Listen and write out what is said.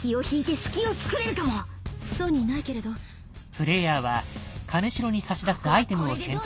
プレイヤーは金城に差し出すアイテムを選択。